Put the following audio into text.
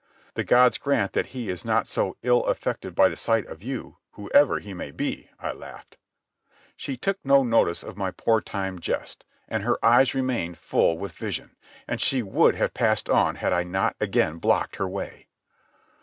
"The gods grant that he is not so ill affected by the sight of you, whoever he may be," I laughed. She took no notice of my poor timed jest, and her eyes remained full with vision, and she would have passed on had I not again blocked her way.